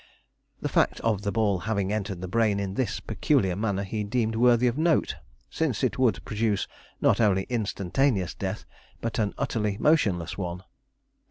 The fact of the ball having entered the brain in this peculiar manner he deemed worthy of note, since it would produce not only instantaneous death, but an utterly motionless one.